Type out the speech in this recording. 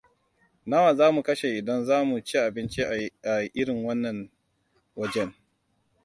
Nawa za mu kashe idan za mu ci abinci a irin wajen nan?